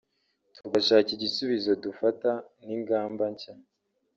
tugashaka igisubizo dufata n’ingamba nshya